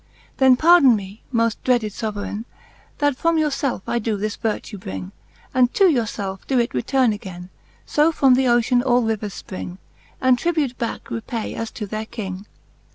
VII. Then pardon me, moft dreaded Soveraine, That from your felfe I doe this vertue bring, And to your felfe doe it returne againe: So from the Ocean all rivers fpring, And tribute backe repay as to their King.